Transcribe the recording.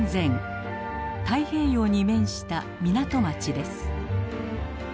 太平洋に面した港町です。